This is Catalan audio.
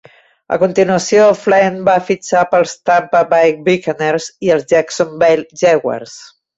A continuació, Flynn va fitxar pels Tampa Bay Buccaneers i els Jacksonville Jaguars.